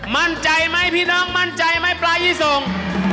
มั่นใจไหมพี่น้องมั่นใจไหมปลายี่ส่ง